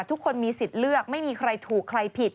ทุกคนมีสิทธิ์เลือกไม่มีใครถูกใครผิด